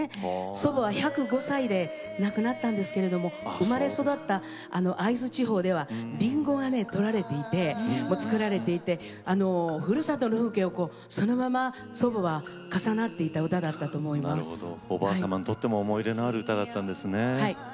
祖母は１０５歳で亡くなったんですけれど生まれ育った会津地方ではりんごが作られていてふるさとの風景をそのまま祖母は重なっていたおばあ様にとっても思い入れのある歌だったんですね。